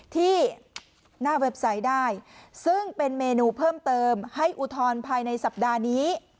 ที่หน้าเว็บไซต์ได้ซึ่งเป็นเมนูเพิ่มเติมให้อุทธรณ์ภายในสัปดาห์นี้